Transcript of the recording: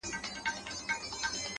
د ژوندون نور وړی دی اوس په مدعا يمه زه؛